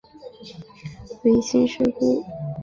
维新事败。